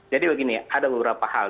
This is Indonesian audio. jadi begini ada beberapa hal